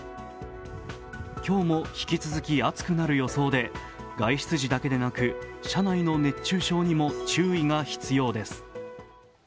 今日も引き続き暑くなる予想で外出時だけでなく、車内の熱中症にも注意が必要です。